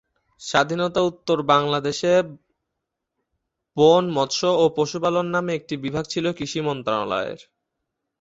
স্বাধীনতা উত্তর বাংলাদেশে বন, মৎস্য ও পশুপালন নামে একটি বিভাগ ছিল কৃষি মন্ত্রণালয়ের।